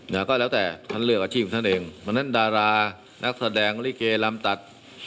นะก็แล้วแต่ท่านเลือกอาชีพของท่านเองเพราะฉะนั้นดารานักแสดงลิเกลำตัด